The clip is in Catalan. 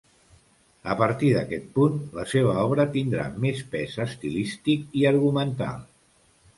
A partir d'aquest punt, la seva obra tindrà més pes estilístic i argumental.